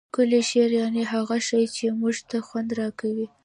ښکلی شي یعني هغه شي، چي موږ ته خوند راکوي.